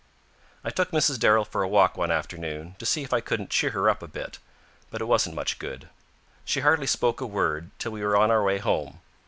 I took Mrs. Darrell for a walk one afternoon, to see if I couldn't cheer her up a bit, but it wasn't much good. She hardly spoke a word till we were on our way home.